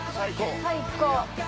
最高！